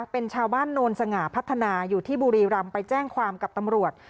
เป็นชาวบ้านโนนสง่าพัฒนาอยู่ที่บุรีรำไปแจ้งความกับตำรวจ